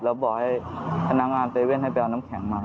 แล้วบอกให้คณะงานเตรเว่นให้ไปเอาน้ำแข็งมา